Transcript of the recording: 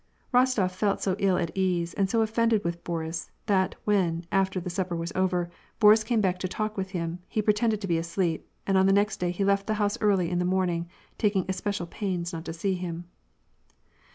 Rostof felt so ill at ease, and so offended with Boris, that when, after the supper was over, Boris came back to talk with him, he pretended to be asleep, and on the next day he left the house early in the morning, taking especial pains not to see him.